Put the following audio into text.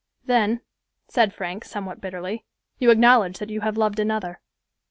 "Then," said Frank, somewhat bitterly, "you acknowledge that you have loved another."